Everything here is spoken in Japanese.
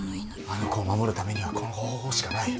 あの子を守るためにはこの方法しかない。